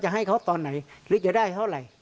ให้เขาตอนไหนหรือจะได้เท่าไหร่